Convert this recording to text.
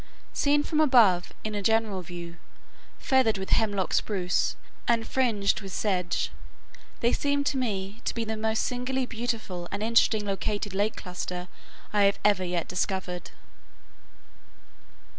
Seen from above, in a general view, feathered with Hemlock Spruce, and fringed with sedge, they seem to me the most singularly beautiful and interestingly located lake cluster I have ever yet discovered.